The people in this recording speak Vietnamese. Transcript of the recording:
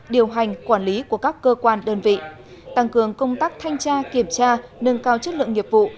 điều hành quản lý của các cơ quan đơn vị tăng cường công tác thanh tra kiểm tra nâng cao chất lượng nghiệp vụ